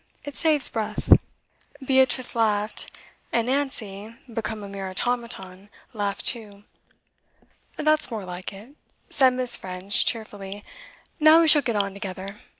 It saves breath.' Beatrice laughed; and Nancy, become a mere automaton, laughed too. 'That's more like it,' said Miss. French cheerfully. 'Now we shall get on together.